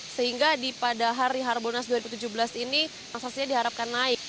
sehingga pada hari harbonas dua ribu tujuh belas ini transaksinya diharapkan naik